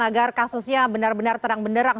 agar kasusnya benar benar terang benderang